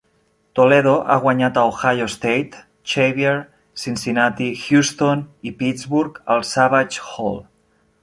Toledo ha guanyat a Ohio State, Xavier, Cincinnati, Houston i Pittsburgh al Savage Hall.